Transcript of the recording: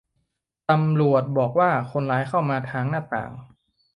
ตำรวจบอกว่า คนร้ายเข้ามาทางหน้าต่าง